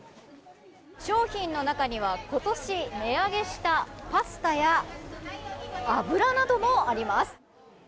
商品の中には今年値上げしたパスタや油などもあります。